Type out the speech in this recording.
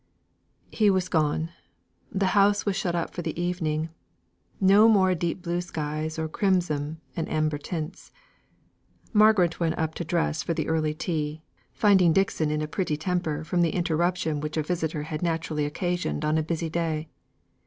He was gone. The house was shut up for the evening. No more deep blue skies or crimson and amber tints. Margaret went up to dress for the early tea, finding Dixon in a pretty temper from the interruption which a visitor had naturally occasioned on a busy day.